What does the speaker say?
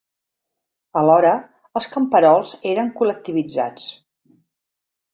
Alhora, els camperols eren col·lectivitzats.